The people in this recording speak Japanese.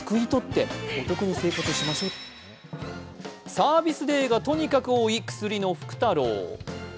サービスデーがとにかく多いくすりの福太郎。